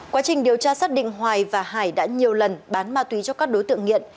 quá trình điều tra xác định hoài và hải đã nhiều lần bán ma túy cho các đối tượng nghiện